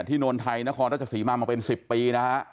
ที่นวลไทยนครรัฐสิริมามาเป็น๑๐ปี